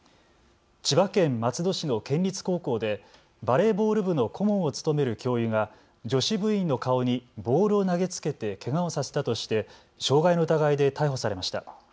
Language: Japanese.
千葉県松戸市の県立高校でバレーボール部の顧問を務める教諭が女子部員の顔にボールを投げつけて、けがをさせたとして傷害の疑いで逮捕されました。